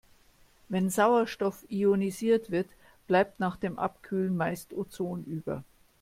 Wenn Sauerstoff ionisiert wird, bleibt nach dem Abkühlen meist Ozon über.